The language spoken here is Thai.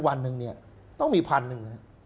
วันหนึ่งเนี่ยต้องมีพันหนึ่ง